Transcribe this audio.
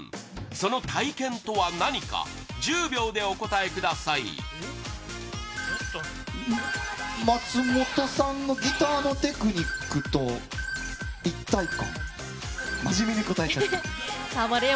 その体験とは何か１０秒でお答えください松本さんのギターのテクニックと一体感？